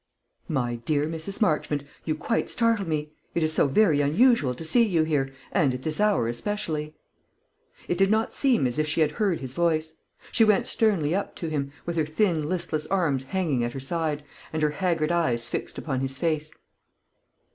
"My dear Mrs. Marchmont, you quite startle me. It is so very unusual to see you here, and at this hour especially." It did not seem as if she had heard his voice. She went sternly up to him, with her thin listless arms hanging at her side, and her haggard eyes fixed upon his face.